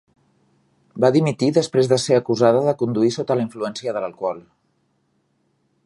Va dimitir després de ser acusada de conduir sota la influència de l'alcohol.